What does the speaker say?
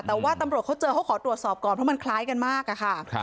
แต่ว่าตำรวจเขาเจอเขาขอตรวจสอบก่อนเพราะมันคล้ายกันมากอะค่ะ